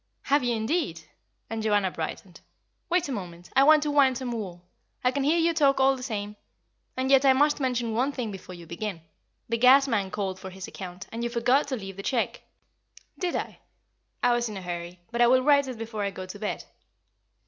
"Have you, indeed?" and Joanna brightened. "Wait a moment. I want to wind some wool. I can hear you talk all the same. And yet I must mention one thing before you begin. The gas man called for his account, and you forgot to leave the cheque.'' "Did I? I was in a hurry. But I will write it before I go to bed."